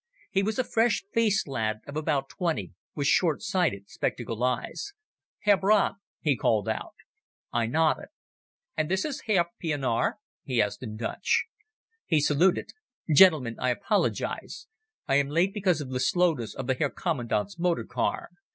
He was a fresh faced lad of about twenty, with short sighted spectacled eyes. "Herr Brandt," he called out. I nodded. "And this is Herr Pienaar?" he asked in Dutch. He saluted. "Gentlemen, I apologize. I am late because of the slowness of the Herr Commandant's motor car.